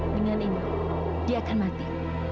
dengan ini dia akan mati